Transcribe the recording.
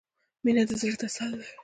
• مینه د زړۀ تسل دی.